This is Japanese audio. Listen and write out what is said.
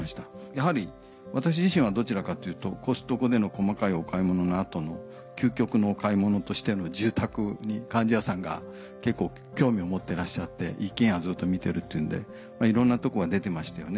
やはり私自身はどちらかというとコストコでの細かいお買い物の後の究極のお買い物としての住宅に貫地谷さんが結構興味を持ってらっしゃって一軒家ずっと見てるっていうんでいろんなとこが出てましたよね。